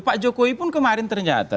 pak jokowi pun kemarin ternyata